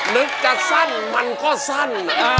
นึกจะสั้นมันก็สั้น